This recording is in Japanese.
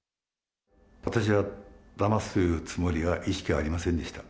私は、だますつもりは、意識はありませんでした。